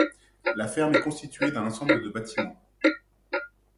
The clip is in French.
La ferme est constituée d'un ensemble de bâtiments.